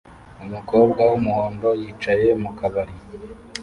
Umukobwa wumuhondo yicaye mukabari